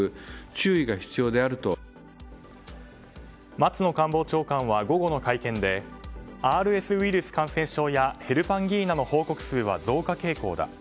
松野官房長官は、午後の会見でＲＳウイルス感染症やヘルパンギーナの報告数は増加傾向だ。